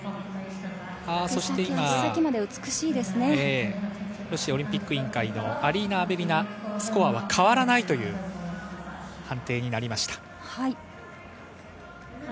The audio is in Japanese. そして今、ロシアオリンピック委員会のアリーナ・アベリナ、スコアは変わらないという判定になりました。